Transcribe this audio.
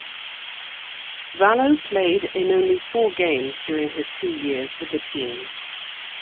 Vallow played in only four games during his two years with the team.